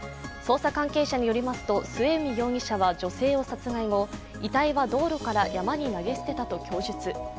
捜査関係者によりますと末海容疑者は女性を殺害後遺体は道路から山に投げ捨てたと供述。